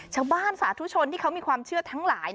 สาธุชนที่เขามีความเชื่อทั้งหลาย